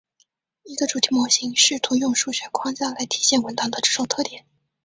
一个主题模型试图用数学框架来体现文档的这种特点。